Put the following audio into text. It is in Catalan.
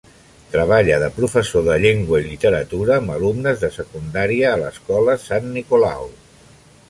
Treballa de professor de llengua i literatura amb alumnes de secundària a l'Escola Sant Nicolau.